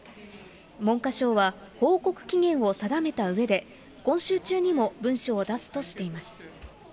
文科省は、報告期限を定めたうえで、今週中にも文書を出すとしています。